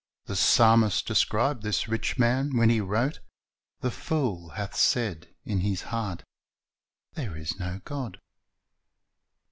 The psahnist described this rich man when he wrote, "The fool hath said in his heart, There is no God."'